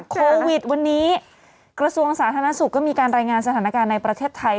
โควิดวันนี้กระทรวงสาธารณสุขก็มีการรายงานสถานการณ์ในประเทศไทย